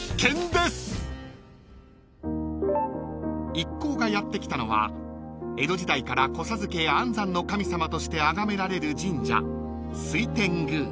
［一行がやって来たのは江戸時代から子授けや安産の神様としてあがめられる神社］